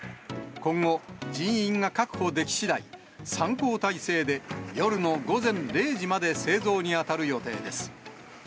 今後、人員が確保できしだい、３交代制で夜の午前０時まで製造に当たる予定です。